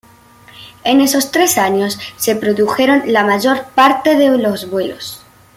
En esos tres años se produjeron la mayor parte de los vuelos.